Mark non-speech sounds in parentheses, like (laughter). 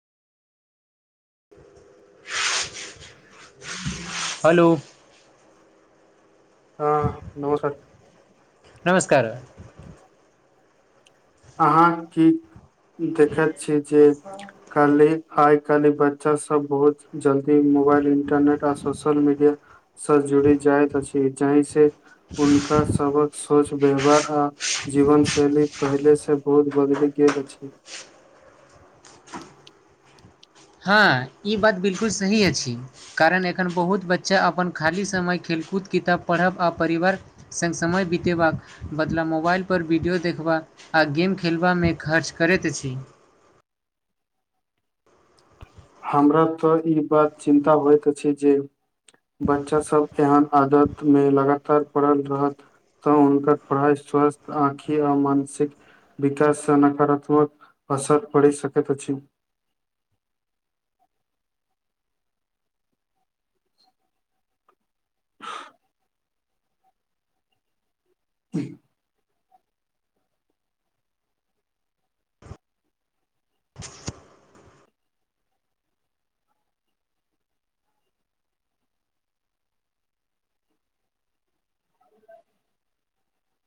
hello हँ नओ sir नमस्कार अहाँ की देखैत छी जे आइ कायलक बच्चा सब बहुत जल्दी मोबाइल इंटरनेट आ सोशल मीडिया स जुड़ी जाइतइत छै जाहि से उनक सबक सोच व्यवहार आ जीवन शैली पहिले से से बहुत बदलि गेल छै हँ ई बात बिलकुल सही अछि कारण एखन बहुत बच्चा अपन खाली समय खेलकूद किताब पढ़ब आ परिवार सङ्ग समय बितेबाक बदला मोबाइलपर वीडियो देखबाक आ गेम खेलबामे खर्च करैत अछि हमरा तऽ ई बात चिन्ता होइत अछि जे बच्चा सब एहन आदत मे लगातार पढ़ल रहत तऽ हुनकर पढ़ाई स्वस्थ आँखि आ मानसिक विकास से नकारात्मक असर पड़ सकैत अछि ठीक (inaudible)